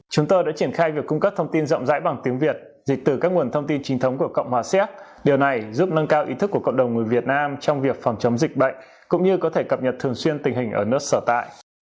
chúng tôi đã triển khai việc cung cấp thông tin rộng rãi bằng tiếng việt dịch từ các nguồn thông tin chính thống của cộng hòa xéc điều này giúp nâng cao ý thức của cộng đồng người việt nam trong việc phòng chống dịch bệnh cũng như có thể cập nhật thường xuyên tình hình ở nước sở tại